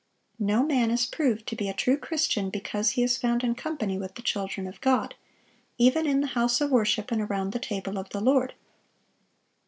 No man is proved to be a true Christian because he is found in company with the children of God, even in the house of worship and around the table of the Lord.